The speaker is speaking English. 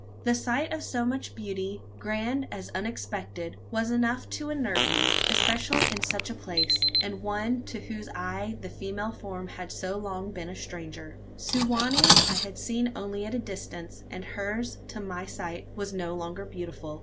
The sight of so much beauty grand as unexpected was enough to unnerve one, especially in such a place and one to whose eye the female form had so long been a stranger. Su wa nee's I had seen only at a distance; and hers, to my sight, was no longer beautiful.